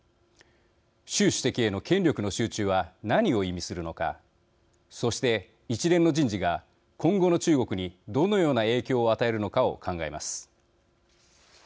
習主席への権力の集中は何を意味するのかそして一連の人事が今後の中国にどのような影響を与えるのかを考えます。